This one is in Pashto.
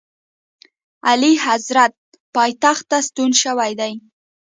اعلیحضرت پایتخت ته ستون شوی دی.